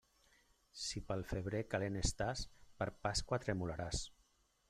Si pel febrer calent estàs, per Pasqua tremolaràs.